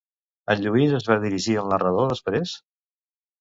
En Lluís es va dirigir al narrador després?